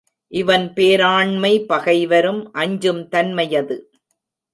இவன் பேராண்மை பகைவரும் அஞ்சும் தன்மையது.